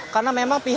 karena memang pihak